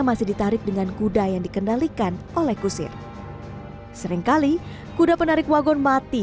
masih ditarik dengan kuda yang dikendalikan oleh kusir seringkali kuda penarik wagon mati